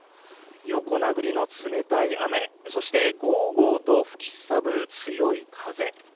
横殴りの冷たい雨、そしてごうごうと吹きすさぶ強い風。